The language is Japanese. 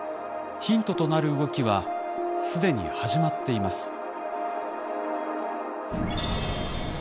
ヒントとなる動きは既に始まっています。